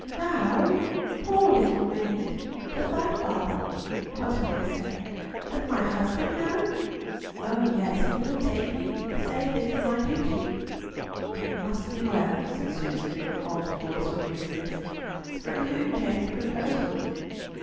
"Thou! poor little maid. Doth thy father—what am I saying? Doth my husband know?" "Oh yes. He will take me. He saith it is my duty." "Then it must be well," said Susan in an altered voice on hearing this. "From whom came the proposal?"